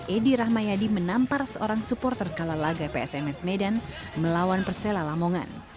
edi rahmayadi menampar seorang supporter kala laga psms medan melawan persela lamongan